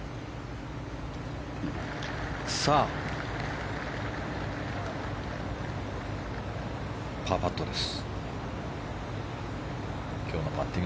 さあ、パーパットです。